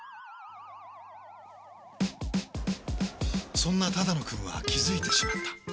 そんな只野くんは気付いてしまった。